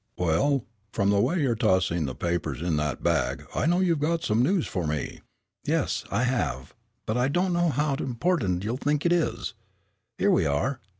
"Well, from the way you're tossing the papers in that bag I know you've got some news for me." "Yes, I have, but I don't know how important you'll think it is. Here we are!"